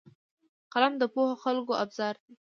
قلم د پوهو خلکو ابزار دی